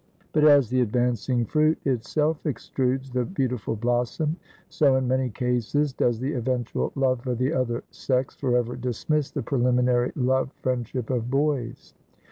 But as the advancing fruit itself extrudes the beautiful blossom, so in many cases, does the eventual love for the other sex forever dismiss the preliminary love friendship of boys.